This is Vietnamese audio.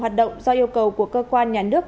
hoạt động do yêu cầu của cơ quan nhà nước